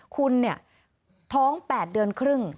คุณเนี่ยท้อง๘เดือนครึ่ง